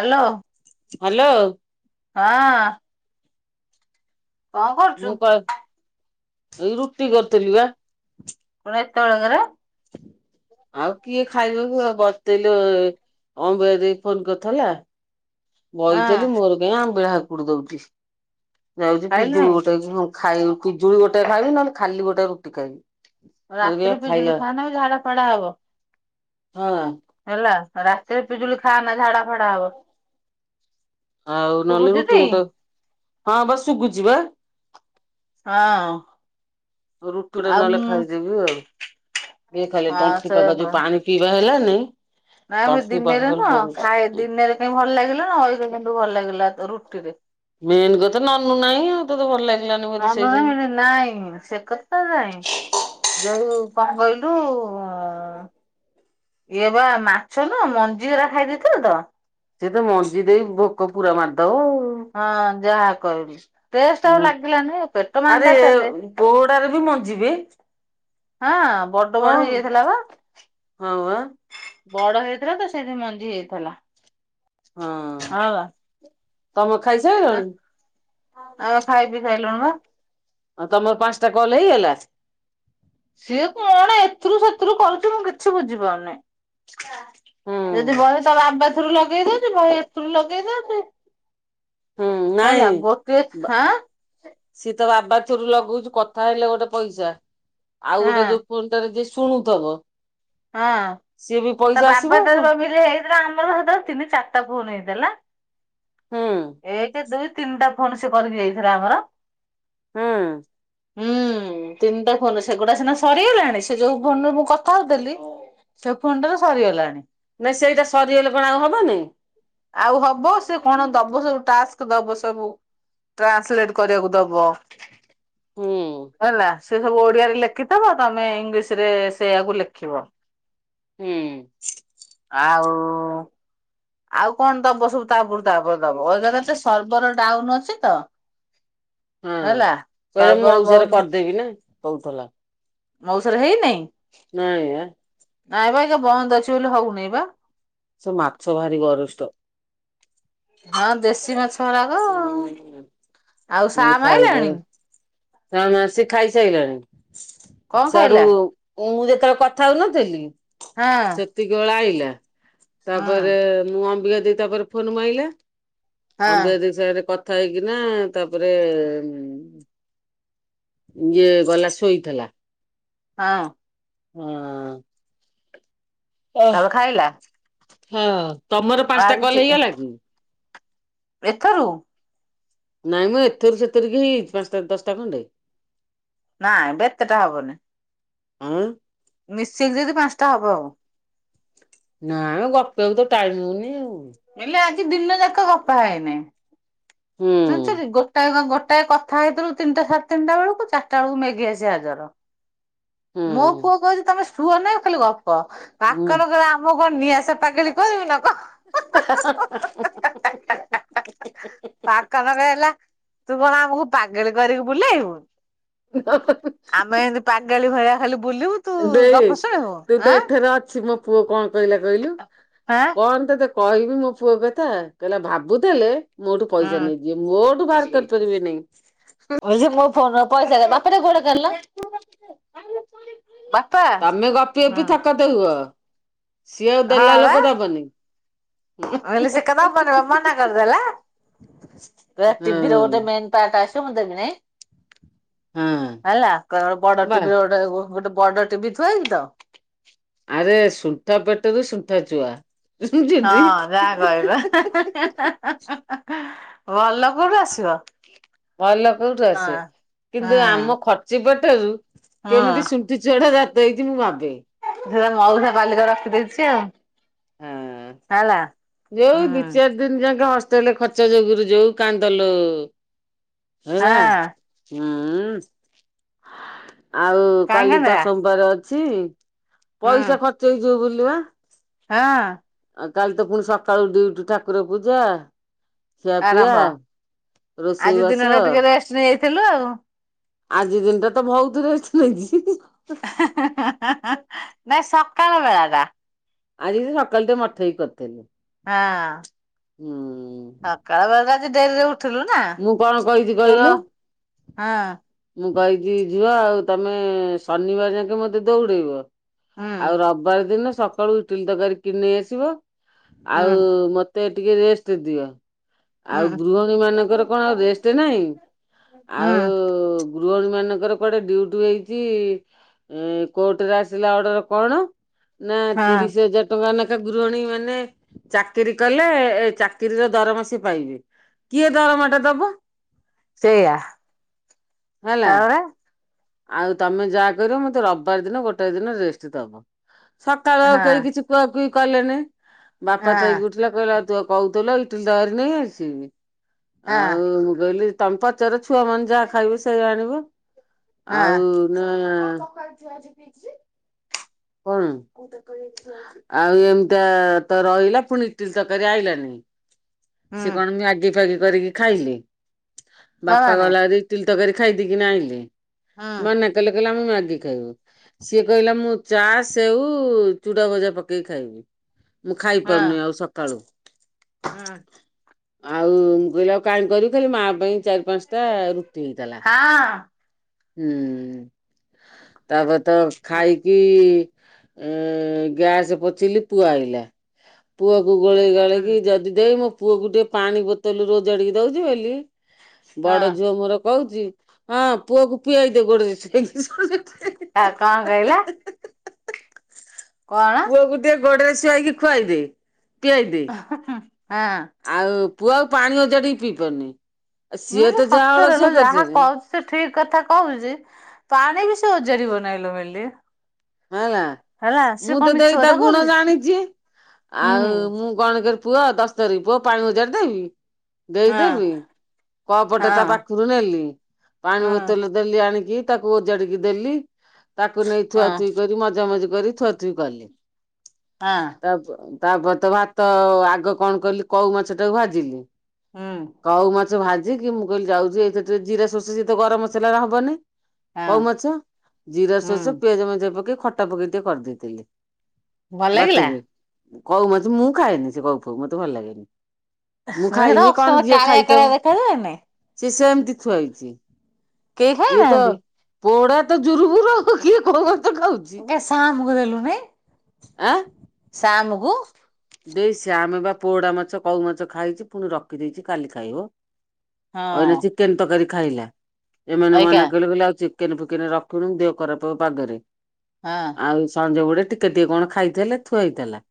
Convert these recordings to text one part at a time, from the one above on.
Hello. Hello. ହଁ। କଣ କରୁଛୁ ମୁଁ କ [inaudible] ରୁଟି କରିଥିଲି ବା। କଣ ଏତେବେଳକରେ। ଆଉ କିଏ ଖାଇବା କୁହ କରଦେଲୁ। ଅମ୍ବିକା ଦେଇ ଫୋନ କରିଥିଲା। ହଁ ବଇଥିଲି ମୋର କାହିଁ ଆମ୍ବିଳା ହାକୁଟି ଦଉଛି ଯାଉଚି ଖାଇଲୁଣି ପିଜୁଳି ଗୋଟେ ଖାଇ ପିଜୁଳି ଗୋଟେ ଖାଇବି ନହଲେ ଖାଲି ଗୋଟେ ରୁଟି ଖାଇବି। ମୋର କାଇଁ ରାତିରେ ପିଜୁଳି ଖାଇଲା ଖାନାବେ ଝାଡା ଫାଡା ହବ। ହଁ ଆ ହେଲା ରାତିରେ ପିଜୁଳି ଖାଆନା ଝାଡା ଫାଡା ହବ। ଆଉ ନହେଲେ ଶୁଭୁଛୁଟି ରୁଟି ଗୋଟେ ହଁ ବା ଶୁଗୁଚି ବା। ହଁ। ରୁଟି ଡେ ଆଉ ନହେଲେ ମୁଁ ଖାଇଦେବି ଆଉ ଏଇ ଖାଇଲେ ହଁ ତଣ୍ଟି ସେ ପାଖ ଯଉ ପାଣି ପିଇବା ହେଲାନି। ନା ଆମେ ତଣ୍ଟି ପାଖ ଦିନେରେ ଖାଲି ନୂଅଁ ପଡୁଛି ଖାଇ ଦିନରେ କେ ଭଲ ଲାଗିଲା ନା [unintelligible] କୁ ଭଲ ଲାଗିଲା ରୁଟିରେ। ମେନ୍ କଥା ନନୁ ନାହିଁ ଆଉ। ତୁ ତୁ ଭଲ ଲାଗିଲାନୁ [unintelligible] ସେ କଥା ନାଇଁ। ଯୋଉ କଣ କହିଲୁ ଅଁ ଇଏ ବା ମାଛ ନୁହ ମଞ୍ଜିରା ଖାଇଦେଇଥିଲୁ ତ। ସେ ତ ମଞ୍ଜି ଦେଇ ଭୋକ ପୁରା ମାରିଦବ ଆଉ। ହଁ ଯାହା କହିବି ଟେଷ୍ଟ ଆଉ ଲାଗିଲାନି ପେଟ ମାନ୍ଦା ଥେଲେ। ପୋହୁଡାରେ ବି ମଞ୍ଜିବି। ହଁ ବଡ ବଡ ହେଇଯାଇଥିଲା ବା। ହଁ ବା। ବଡ ହେଇଥିଲା ତ ସେଇଠି ମଞ୍ଜି ହେଇଥେଲା। ହଁ ତମ ଖାଇସାଇଲଣି। ଆଉ ଖାଇ ପି ସାଇଲୁଣି ବା। ଆଉ ତମର ପାଞ୍ଚଟା କଲ୍ ହେଇଗଲା। ସିଏ କଣ ଏଥିରୁ ସେଥିରୁ କରୁଚି ମୁଁ କିଛି ବୁଝିପାରୁନି। ଯଦି ହୁଁ ବହି ତଳ ଆବାସରୁ ଲଗେଇବ ଦଉଚି ବହି ଏଥିରୁ ଲଗେଇ ଦଉଛି। ହୁଁ ନାଇଁ ହେଲା ଗୋଟିଏ ଖାଁ ସିଏ ତ ବାବାଥିରୁ ଲଗଉଚୁ କଥା ହେଲେ ଗୋଟେ ପଇସା। ଆଉ ହଁ ଗୋଟେ ଯୋଉ ଫୋନ ଟାରେ ଯିଏ ଶୁଣୁଥବ। ହଁ ସିଏ ବି ତା ପଇସା ଆସିବ ବାବା ଆଉ କଣ ତାର ଭାବିଲେ। ସେରା ଆମର ହେତେବେଳେ ତିନି ଚାରିଟା ଫୋନ ହେଇଦେଲା ହୁଁ ଏକେ, ଦୁଇ ତିନିଟା ଫୋନ୍ ସେ କରିକି ଯାଇଥିଲା ଆମର। ହୁଁ। ହୁଁ ତିନିଟା ଫୋନ ସେଗୁଡା ସିନା ସରିଗଲାଣି ସେ ଯୋଉ ଫୋନରେ ମୁଁ କଥା ହଉଥିଲି। ସେ ଫୋନଟାର ସରିଗଲାଣି। ନାଇଁ ସେଇଟା ସରିଗଲେ କଣ ଆଉ ହବ ନାହିଁ। ଆଉ ହବ ସେ କଣ ଦବ ସବୁ ଟାସ୍କ ଦବ ସବୁ। ଟ୍ରାନ୍ସଲେଟ କରିବାକୁ ଦବ। ହୁଁ ହେଲା ସେ ସବୁ ଓଡିଆରେ ଲେଖିଥବ ତମେ ଇଂଲିଶ ରେ ସେଇଆକୁ ଲେଖିବ। ହୁଁ। ଆଉ। ଆଉ କଣ ଦବ ସବୁ ତାପରେ ତାପରେ ଦବ ଏକାଥରେ ସେ ସର୍ଭର ଡାଉନ ଅଛି ତ। ହଁ ହେଲା କଇଲା ସର୍ବର ମୋଉସାର ବନ୍ଦ କରଦେବି ନା କଉଥଲା। ମୋଉସାର ହେଇନେଇଁ। ନାଇଁ ଆ। ନାଇଁ ବା ଏଇ ଯୋଉ ବନ୍ଦ ଅଛି ବୋଲି ହୋଉନେଇ ବା। ସେ ମାଛ ଭାରି ଗରୁଷ୍ଠ। ହଁ ଦେଶୀ ମାଛ ରାଗ ଆଉ। ଆଉ ସାର ଆଇଲେଣି? ନାଁ ନାଁ ସିଏ ଖାଇସାଇଲାଣି। କଣ ସ୍ୟାଡୁ ଖାଇଲା? ମୁଁ ଯେତୋବେଳେ କଥା ହୋଉନଥିଲି। ହଁ ଏତିକି ଓଳେ ଆଇଲା ହଁ ତାପରେ ମୁଁ ଅମ୍ବିକା ଦେଇ ତାପରେ ଫୋନ ମାଇଲା। ହଁ ଅମ୍ୱିକା ଦେଇ ସାଙ୍ଗରେ କଥା ହେଇକିନା। ତାପରେ ଇଏ ଗଲା ଶୋଇଥିଲା। ହଁ ଉଁ ଆଁ ଓଃ ତାପରେ ଖାଇଲା ହଁ ତମର ପାଞ୍ଚଟା ଆଜି ଚି କଲ ହେଇଗଲା କି? ଏଥରୁ ନାଇଁମଁ ଏଥିରୁ ସେଥୁରୁ ହେଇ ପାଞ୍ଚଟା ଦଶଟା ଖଣ୍ଡେ। ନାଇଁବେ ଏତେଟା ହବନି। ଆଉ ମିଶିକି ଯଦି ପାଞ୍ଚଟା ହବ ଆଉ। ନା ମଁ ଗପିବାକୁ ତ ଟାଇମ ହୋଉନି ଆଉ। ହେଲେ ଆଜି ଦିନଯାକ ଗପା ହେଇନେଇଁ। ହୁଁ ଜାନଚକି ଗୋଟା କଟା କଥା ହେଇଥିଲୁ ତିନିଟା ସାଡ଼ ତିନିଟା ବେଳକୁ। ଚାରଟା ବେଳକୁ ମେଘି ଆସି ହାଜର। ହୁଁ। ମୋ ପୁଅ କଉଚି ତମେ ସୁୁଅ ନାଇ ଖାଲି ଗପ। ନା। ପାକର କରେ ଆମ ମୁଁ କଣ ନିଆ ଆସ ପାାଗେଳି କହିବି ନା କଣ? ପାକ ନକ ହେଲା ତୁ କଣ ଆମକୁ ପାଗେଳି କରିକି ବୁଲେଇବୁ? ଆମେ ଏମିତି ପାଗାଳି ଭଳିଆ ଖାଲି ବୁଲିବୁ। ତୁ ଦେଇଇ ଗପ ଶୁଣିବୁ ତୁ ତ ଆଁ ଏଥର ଅଛୁ ମୋ ପୁଅ କଣ କଇଲା କଇଲୁ? ଆଁ କଣ ତତେ କହିବି ମୋ ପୁଅ କଥା। କହିଲା ଭାବୁଥୁଲେ ମୋ ଠୁ ପଇସା ହୁଁ ନେଇଯିବେ ମୋଠୁ ଭାର କରିପାରିବେ ନେଇଁ। କୋଉଚି ମୋ ଫୋନ ପଇସା ନାଇଁ। ବାପା ଟିକେ ଗୋଡ କାଡ଼ଲ। ତମେ ଗପି ଗପି ଥକତ ହୁଅ। ସିଏ ଆଉ ହଁ ଦେଲା ବା ଲୋକ ଦବନି। ତା ହଁ କରଦେଲା ଟିଭିରେ ଗୋଟେ ମେ ପାର୍ଟ ଆସିବ ମୁଁ ଦେମିନେଇଁ। ହଁ ହେଲା କର ବଡ ବା ଟିଭିରେ ଗୋଟେ ଗୋଟେ ବଡ ଟିଭି ଥୁଆ ହେଇଚି ତ। ଆରେ ସୂତା ପେଟରୁ ସୂତା ଚୁଆ। ହଁ ଯାହା କହିଲ ବଲ କୋଉଠୁ ଆସିବ। ଭଲ କୋଉଠୁ ହଁ ଆସିବ। ହଁ କିନ୍ତୁ ଆମ ଖର୍ଚି ପଟରୁ ହଁ କେମିତି ସୁ ଣ୍ଠି ଚୁଆ ଟା ଜାତ ହେଇଚି ମୁଁ ଭାବେ। ସେ ମଉସା ପାଲିକ ରଖିଦେଇଚି ଆଉ। ହେଲା ହଁ ଯୋଉ ହୁଁ ଦି, ଚାରି ଦ ଦିନ ଯାକେ ହଷ୍ଟେ ଖର୍ଚ୍ଚ ଯୋଗରୁ ଯଉ କାନ୍ଦଲୋ ହେଲା ହଁ ହୁଁ। ଆଉ କାହିଁ କାଲି ତ କାନ୍ଦିଲା ସୋମବାର ଅଛି ହୁଁ ପଇସା ଖର୍ଚ୍ଚ ହେଇଯିବ ବୁଲିବା। ହଁ। ଆଉ କାଲି ତ ପୁଣି ସକାଳୁ ଡିଉଠି ଠାକୁର ପୂଜା। ଖିଆପିଆ, ଆରମ୍ଭ ରୋଷେଇ ବାସ ନେଇଥିଲୁ ଆଉ। ଆଜି ଦିନଟା ତ ବହୁତରେ ଅଛି। ହାଁ ହାଁ ହାଁ ହାଁ ନାଇଁ ସକାଳ ବେଳା ଟା। ଆଜି ସକାଳୁ ଟେ ମଠେଇ କରିଥିଲି। ହଁ ହୁଁ ସକାଳ ବେଳାଟା ଆଜି ଡେରିରେ ଉଠ ଥିଲୁ ନା ମୁଁ କଣ କହିଛି ତୋର କହିଲୁ? ହଁ ମୁଁ କହିଛି ଯିବା ଆଉ ତମେ ଶନିବାର ଯାକେ ମତେ ଦୌଡେଇବ ହୁଁ ଆଉ ରବ ବ ଦିନ ସକାଳୁ ଇଟିଲି ତରକାର କିଣେଇ ଆସିବ ହୁଁ ଆଉ ମତେ ମତେ ଟିକେ ରେଷ୍ଟ ଦିଅ ଆଉ ହୁଁ। ଗୃହିଣୀ ମାନଙ୍କର କଣ ରେଷ୍ଟ ନାଇଁ ହୁଁ ଆଉ ଗୃହିଣୀ ମାନଙ୍କର କୁଆଡେ ଡିଉଟି ହେଇଛି। ଏ କୋର୍ଟରେ ଆସିଲା ଅର୍ଡର କଣ ନା ହଁ ତିରିଶ ହଜାର ଟଙ୍କାନେକା ଗୃହିଣୀ ମାନେ ଚାକିରି କଲେ ଏ ଚାକିରିର ଦରମାସି ପାଇବେ। କିଏ ଦରମାଟା ଦବ? ସେଇଆ ହେଲା। ତାପରେ ଆଉ ତମେ ଯାହା କରିବ ମତେ ରବିବାର ଦିନ ଗୋଟାଏ ଦିନ ରେଷ୍ଟ ଦେବ। ସକାଳ ଆଉ ହଁ କେହି କିଛି କୁଆକୁଇ କଲେନି ବାପା ହଁ ଥାଇ [inaudible] [unintelligible] ତୁ କହୁଥିଲ ଇଠିଲି ତରକାରୀ ନେଇ ଆସିବି। ହଁ ଆଉ ମୁଁ କହିଲି [inaudible] [inaudible] ଛୁଆାମାନେ ଯାହା ଖାଇବେ ସେଇଆ ଆଣିବ। ହଁ ଆଉ ନ କଣ? ଆଉ ଏମିତିଆ ତ ରହିଲା ପୁଣିି ଇଟିଲି ତରକାରୀ ଆଇଲାନି? ହୁଁ ସେ କଣ ମ୍ୟାଗି ଫାଗି କରିକି ଖାଇଲେ। ବାପା ଛୁଆମାନେ ଗଲାଭାରି ଇଟିଲି ତରକାରୀ ଖାଇଦେଇକି ଆଇଲେ ହୁଁ ମନା କଲେ କହିଲେ ଆମେ ମ୍ୟାଗି ଖାଇବୁ। ସିଏ କହିଲା ମୁଁ ଚା, ସେଉ, ଚୁଡା ଭଜା ପକେଇକି ଖାଇବି। ମୁଁ ଖାଇପାରୁନି ଆଉ ସକାଳୁ ହଁ। ଆଉ କହିଲା କାଇଁ କରିବି ଖାଲି ମା ପାଇଁ ଚାରି, ପାଞ୍ଚ ଟା ରୁଟି ହେଇଥିଲା। ହଁ। ହୁମ ତାପରେ ତ ଖାଇକି ଉମ ଗ୍ୟାସ ପୋଛିଲି ପୁଅ ଆଇଲା ପୁଅକୁ ଗୋଳେଇ ଗାଳେଇକି ହୁଁ ଯଦି ଦେଇ ମୁଁ ପୁଅ କୁ ଟିକେ ପାଣି ବୋତଲ ରେ ଓଜାଡିକି ଦଉଛି ବୋଲି ବଡ ହଁ ଝିଅ ମୋର କହୁଛି ହଁ ପୁଅକୁ ପିଆଇ ଦେ ଗୋଡରେ [unintelligible] ଆ କଣ କହିଲା? କଣ ପୁଅକୁ ଟିକେ ଗୋଡରେ ଶୁଆଇକି ଖୁଆଇଦେ ପିଆଇଦେ। ହଁ ହୁ ହୁଁ। ଆଉ ପୁଅ ଆଉ ପାଣି ଓଜାଡ଼ି ପିଇ ପାରୁନି। ଆଉ ମୁଁ ସିଏ କହିଲି ତ ଯାହା ସତରେ ଲୋ ଅଳସିଆ ଯାହା କରିଛନ୍ତି କହୁଛି ସେ ଠିକ କଥା କହୁଛି। ପାଣି ବି ସେ ଓଜାଡିବନି ଲୋ ମିଲି। ହଁ ହେଲା ହେଲା ସେ ମୁଁ କଣ ତ ମିଛ ଦେଇ ତା କଥା ଗୁଣ କହୁଛି ଜାଣିଚି ହୁଁ ଆଉ ମୁଁ କଣ କିରେ ପୁଅ ଦସ ଥରକୀ ପୁଅ ପାଣି ଓଜାରି ଦେବିକି? ହଁ ଦେଇଦେବି କପଟେ ହଁ ତା ପାଖୁରୁ ନେଲି ପାଣି ହଁ ବୋତଲ ଦେଲି ଆଣିକି ତାକୁ ଓଜାଡିକି ଦେଲି ତାକୁ ନେଇ ଥୁଆ ହଁ ଥୁଇ ମଜାମଜି କରି ଥୁଆଥୁଇ କଲି। ହାଁ। ତା ପ ତାପରେ ତ ଭାତ ଆଗ କଣ କଲିି କଉ ମାଛ ଟାକୁ ଭାଜିଲି। ହୁଁଉଁ। କଉ ମାଛ ଭାଜିକି ମୁଁ କଇଲି ଯାଉଚି ଏଇଥେରେ ଟିକେ ଜିରା, ଷୋରିଷ ସେତ ଗରମ ମସଲା ରେ ହବନି। ହଁ କଉ ମାଛ ଜିରା, ହୁଁ ଷୋରିଷ, ପିଆଜ ମେଞ୍ଚେ ପକେଇ ଖଟା ପକେଇ ଟିକେ କରିଦେଇଥିଲି। ଭଲ ଲାଗିଲା ବାଟିକି କଉ ମାଛ ମୁଁ ଖାଏନି ସେ କଉ ଫଉ ମତେ ଭଲ ଲାଗେନି। ମୁଁ ସେଟା ଖାଇନି କଣ ଅସନା ଯିଏ କାଳିଆ କାଳିଆ ଖାଇଥବ। ଦେଖାଯାଏନି ସେ ସେମତି ଥୁଆ ହେଇଚି କେହି ଇଏ ତ ଖାଇନାହାନ୍ତି ପୋଡା ତ ଜୁରୁବୁୁରୁ ଆଉ କିଏ କଉ ଭାତ ଖାଉଛି। ବେ ଶାମୁକୁ ଦେଲୁନେଇ ଆଁ ଶାମୁକୁ ଦେଇ ଶାମ ବା ପୋଡା ମାଛ କଉ ମାଛ ଖାଇଛି ପୁଣି ରଖିଦେଇଛି କାଲି ଖାଇବ। ହଁ ଅଇନା ଚିକେନ୍ ତକାରୀ ଖାଇଲା ଏମାନେ ଅଇକା ମନା କଲେ କଇଲେ ଆଉ ଚି କେନ୍ ଫିକେନ୍ ରଖୁନୁ ଦେହ ଖରାପ ହବ ପାଗେରେ। ହାଁଆଁ। ଆଉ ଏଇ ସଞ୍ଜ ଗୁଡେ ଟିକେ ଟିକେ କଣ ଖାଇଥେଲେ ଥୁଆ ହେଇଥେଲା।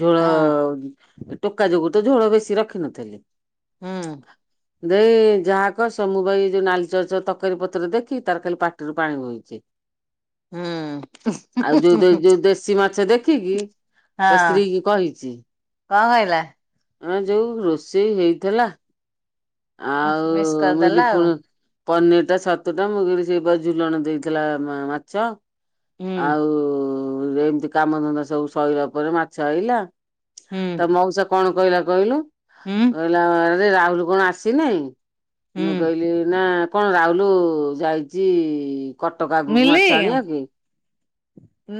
ଝୋଳ ହଁ ଅ ଟୋକା ଯୋଗୁ ତ ଝୋଳ ବେଶୀ ରଖିନଥିଲି। ହୁଁ ଦେଇ ଯାହା କହ ସମୁ ଭାଇ ଯୋଉ ନାଲି ଚରଚ ତକାରୀ ପତର ଦେଖି ତାର ଖାଲି ପାଟିରୁ ପାଣି ବୋହୁଚି। ହୁଁ ଆଉ ଯୋଉ ଯୋଉ ଯୋଉ ଦେଶୀ ମାଛ ଦେଖିକି ତା ହଁ ସ୍ତ୍ରୀ କି କହିଛି। କଣ କହିଲା ଆ ଯୋଉ ରୋଷେଇ ହେଇଥେଲା। ଆଉ ମିସ୍ ମୁଇଲି କରିଦେଲା ଆଉ ଫୁଣି ପନିର ଟା ଛତୁ ଟା ମୁଁ କହିଲି ସେଇପା ଝୁଲଣ ଦେଇଥେଲା ମାଛ। ହୁଁ ଆଉ ଏମତି କାମଧନ୍ଦା ସବୁ ସଇଲା ପରେ ମାଛ ଆଇଲା। ହୁଁ ତ ମଉସା କଣ କହିଲା କହିଲୁ, ହୁଁ କହିଲା ଆରେ ରାହୁଲୁ କଣ ଆସିନେଇଁ? ମୁଁ ହୁଁ କହିଲି ନା କଣ ରାହୁଲୁ ଯାଇଚି କଟକ ଆଗୁକୁ ମିଲି? ମାଛ ଆଣିଆ କି?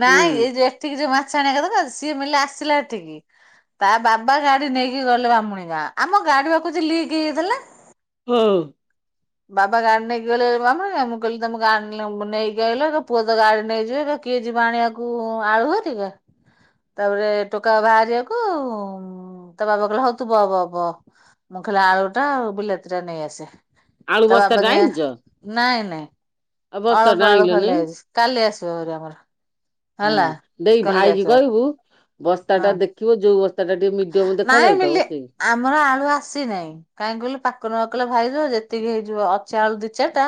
ନାଇଁ ହୁଁ ଏଇ ଯେ ଏଠିକି ଯୋଉ ମାଛ ଆଣିଆ କଥା ତ, ସିଏ ମିଲଲା ଆସିଲା ଏଠିକି। ତା ବାବା ଗାଡି ନେଇକି ଗଲେ ବାମୁହୁଁଣି ଗାଁ। ଆମ ଗାଡି ପା କୋଉଚି ଲିକ୍ ହେଇଯାଇଥେଲା। ହୋଉ। ବାବା ଗାଡି ନେଇକି ଗଲେ ବାମୁହୁଁଣି ଗାଁ। ମୁଁ କଇଲି ତମ ଗାଡି ନେଲେ ମୁଁ ନେଇକି ଆଇଲ ତ ପୁଅ ତ ଗାଡି ନେଇଯିବେ କିଏ ଯିବ ଆଣିବାକୁ ଆଳୁ ହରିଗା? ତାପରେ ଟୋକା ବାହାରିଆକୁ ହୁଁଉଁ ତା ବାବା କହିଲେ ହଉ ତୁ ବ ବ ବ ମୁଁ ଖାଲି ଆଳୁ ଟା ଆଉ ବିଲାତି ଟା ନେଇଆସେ। ଆଳୁ ତା ବାବା ବସ୍ତାଟା ଯେଁ, ଆଣିଛ ନାଇଁ ନାଇଁ ଆଉ ବସ୍ତାଟା ଅଳପ ଆଳୁ ଆଣିଲନି ଖାଲିଆଇଛି। କାଲି ଆସିବ ଭାରି ଆମର। ହେଲା ହଁ ଦେଇ ଭାଇକି କଲିଆଚପା କହିବୁ, ବସ୍ତା ହଁ ଟା ଦେଖିବ ଯୋଉ ବସ୍ ତାଟା ଟିକେ ମିଡିୟମ ନାଇଁ ଦେଖାଯାଉଥବ ମିଲି କିଣିବେ। ଆମର ଆଳୁ ଆସିନେଇଁ। କାହିଁକି କହିଲୁ ପାକୁନ ପା କହିଲା ଭାଇଜ ଯେତିକି ହେଇଯିବ ଅଛି ଆଳୁ ଦି ଚାରଟା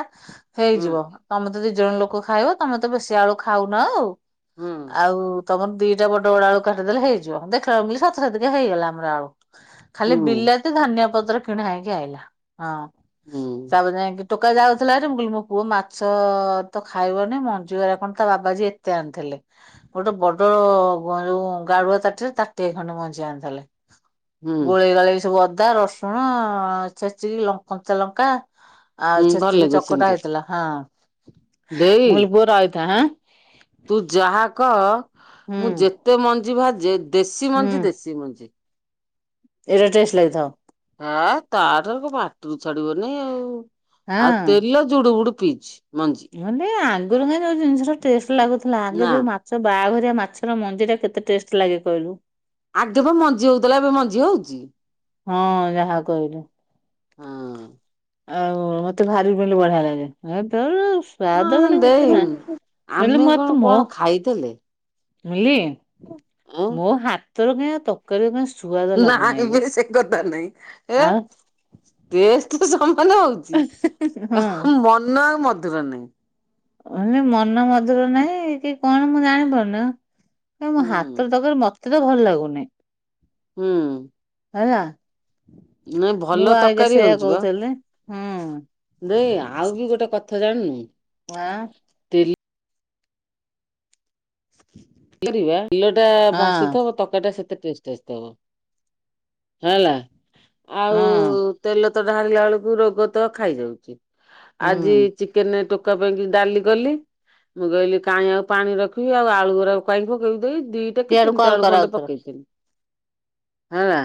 ହୁଁ ହେଇଯିବ। ତମେ ତ ଦି ଜଣ ଲୋକ ଖାଇବ, ତମେ ତ ବେଶି ଆଳୁ ଖାଉନ ଆଉ। ହୁଁ ଆଉ ତମର ଦିଟା ବଡ଼ ବଡ଼ ଆଳୁ କାଟିଦେଲେ ହେଇଯିବ। ଦେଖିଲାବେଳୁକୁ ମୁଁ ଅଲି ସତ ସତିକା ହେଇଗଲା ଆମର ହେଇଗଲା ଆଳୁ। ଖାଲି ହୁଁ ବିଲାତି ଧନିଆଁ ପତ୍ର କିଣା ହେଇକି ଆଇଲା। ହଁ। ହୁଁ। ବାବା ଯାଇଁକି ଟୋକା ଯାଉଥିଲା ହରି ମୁଁ କଲି ମୋ ପୁଅ ମାଛ ଅ ତ ଖାଇବନି ମଞ୍ଚୁଳାରେ କଣ ତା ବାବାଜେତ ତା ଆଣିଥିଲେ। ଗୋଟେ ବଡ ଗୋଁ ଯୋଉ ଗାଡୁଆ ତାଟିରେ ତାଟିଏ ଖଣ୍ଡେ ମଞ୍ଚ ଜାଆନ୍ତା ହେଲେ। ହୁଁ ଗୋଳିଇ ଗାଳେଇ ସବୁ ଅଦା ରସୁ ଶୁଣ ଛେଚିକି ଲ କଞ୍ଚା ଲଙ୍କା ଆଉ ହୁଁ ଭଲ ଛେଚିକି ଲାଗିବ ଚକଟା ସେମିତି ହେଇଥିଲା। ହଁ। ଦେଇ ମୁଁ କହିଲି ପୁଅ ରଇଥା ଆଁ ତୁ ଯାହା କହ। ହୁଁ ମୁଁ ଯେତେ ମଞ୍ଜି ଭାଜେ, ଦେଶୀ ମଞ୍ଜି ହୁଁ ଦେଶୀ ମଞ୍ଜି। ଏଇଟା ଟେଷ୍ଟ ଲାଗିଥବ। ହଁ ତାର ପାଟିରୁ ଛାଡିବନି ଆଉ। ଆଉ ହଁ। ତେଲ ଜୁଡ଼ୁ ବୁଡ଼ୁ ପିଇଛି। ମଞି। ହେନେଇ ଆଗରୁ କାଇଁ ଯୋଉ ଜିନିଷ ସବୁ ଟେଷ୍ଟ ଲାଗୁଥିଲା। ଆଗେ ନା ଯୋଉ ମାଛ ସବୁ ବାହାଘରିଆ ମାଛର ମଞ୍ଜିଟା କେତେ ଟେଷ୍ଟ ଲାଗେ କହିଲୁ? ଆଗେ ପା ମଞ୍ଜି ହଉଥିଲା। ଏବେ ମଞ୍ଜି ହଉଛି? ହଁ ଯାହା କହିଲୁ। ହଁ। ଆଉ ମତେ ଭାରି ମିିଲି ବଢିଆ ଲାଗେ। [unintelligible] ସ୍ଵାଦ ବୋଲି ହଁ କିଛି ଦେଇ ନାହଁ। ବଲେ ଆମେ କଣ ମତ ମୋ କଣ ଖାଇଥିଲେ ମିଲି, ଆଁ ମୋ ହାତରୁ କାଇଁ ଆଉ ତରକାରୀ କାଇଁ ଶୁଆଦ ନାଇଁ ପେରି ସେ କଥା ନାଇଁ। ଏ। ଆଉ ଟେଷ୍ଟ ତ ସମାନ ହଉଛି ହଁ ତି ହ ଉଁ ମନ ଆଉ ମଧୁର ନାହିଁ। ଅଁ ନାଇଁ ମନ ମଧୁର ନାହିଁ କି କଣ ମୁଁ ଜାଣିପାରୁନ। କାଇଁ ମୋ ହୁଁ ହାତର ତରକାରୀ ମତେ ତ ଭଲ ଲାଗୁନି। ହୁଁ। ହେଲା। ନାଇଁ ଭଲ ମୁଁ ବା ଅଇକା ତରକାରୀ ସେଇଆ କହୁଥିଲି। ହୁଁ। ଦେ ଆ ଆଉ କି ଗୋଟେ କଥା ଜାଣିନୁ। [unintelligible] ତେଲ [unintelligible] ବିଲ ଟା ହଁ ଭାସିଥିବ ତକାରି ଟା ସେତେ ଟେଷ୍ଟ। ଟେଷ୍ଟ ହେବ। ହେଲା। ଆଉ ହଁ ତେଲ ତ ଢାଳିଲା ବେଳକୁ ରୋଗ ତ ଖାଇଯାଉଛି। ଆଜି ହୁଁ ଚିକେନ ଟୋକ ତା ପାଇଁକି ଡାଲି କଲି। ମୁଁ କହଲିି କାଁଇ ଆଉ ପାଣି ରଖିବି, ଆଉ ଆଳୁ ଗୁରାକ ପାଇଁ ପକେଇ ପକେଇ ଦିଟା କି ସିଆଡୁ ତିନିଟା କଲ୍ ଆଳୁ କର ଖଣ୍ଡେ ଆଉଥରେ। ପକେଇଥିଲି ହେଲା।